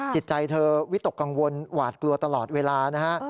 จิตใจเธอวิตกกังวลหวาดกลัวตลอดเวลานะฮะ